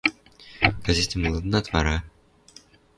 Газетӹм лыдынат вара?